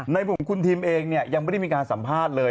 ในมุมของคุณทีมเองเนี่ยยังไม่ได้มีการสัมภาษณ์เลย